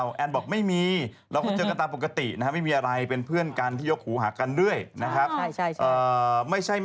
แล้วคือมีไหมให้ตกลงคือยังไงฮะ